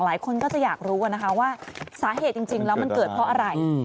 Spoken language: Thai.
หลายคนก็จะอยากรู้นะคะว่าสาเหตุจริงแล้วมันเกิดเพราะอะไร